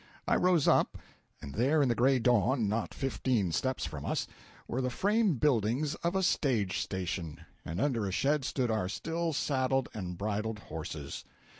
I rose up, and there in the gray dawn, not fifteen steps from us, were the frame buildings of a stage station, and under a shed stood our still saddled and bridled horses!